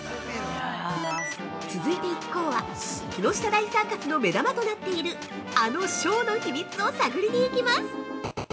続いて一行は、木下大サーカスの目玉となっているあのショーの秘密を探りにいきます。